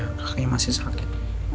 kakaknya masih sakit